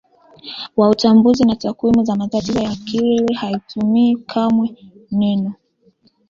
wa Utambuzi na Takwimu za Matatizo ya Akili haitumii kamwe neno